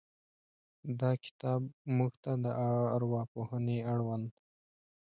دا کتاب موږ ته د ارواپوهنې اړوند